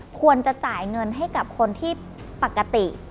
ควรจะจ่ายเงินให้กับคนที่ปกติ